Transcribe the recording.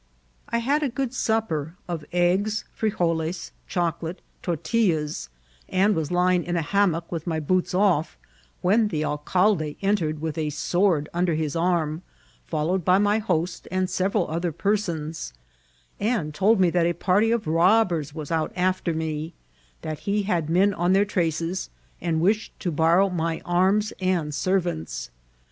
I had a good supper of eggs, frigoles, chocolate, tortil laS) and was lying in a hammock with my boots off when A HUNT FOR R0BBBR8. 18f the alcalde entered with a swcsd under his arm^ follow^ ed by my host and sereral other persons, and told me that a party of robbers was out after me ; that he had men on their traces, and wished to borrow my arms and servants.